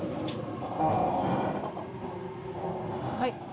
はい。